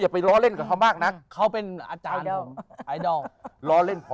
ไปล้อเล่นกับเขามากนักเขาเป็นอาจารย์ไอดอลล้อเล่นพอ